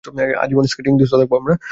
আজীবন স্কেটিং দোস্ত থাকব আমরা!